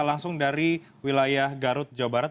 langsung dari wilayah garut jawa barat